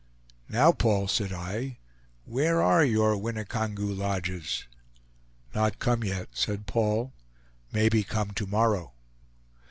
"Now, Paul," said I, "where are your Winnicongew lodges?" "Not come yet," said Paul, "maybe come to morrow."